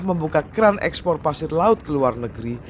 membuka keran ekspor pasir laut ke luar negeri